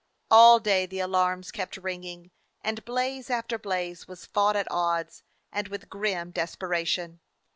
All day the alarms kept ringing, and blaze after blaze was fought at odds and with grim desperation.